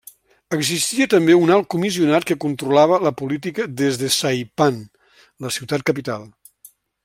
Existia també un Alt Comissionat que controlava la política des de Saipan, la ciutat capital.